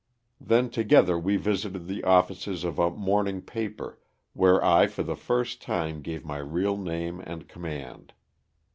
Then together we visited the office of a morning paper, where I for the first time gave my real name and command.